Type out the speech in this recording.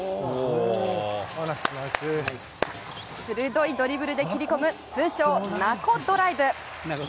鋭いドリブルで切り込む通称、菜子ドライブ。